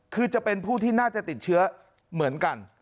คือจะเป็นผู้ที่น่าจะติดเชื้อเหมือนกัน